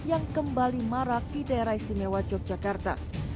yang kembali marak di daerah istimewa yogyakarta